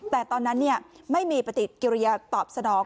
แต่ตอนนั้นไม่มีปฏิกิริยาตอบสนอง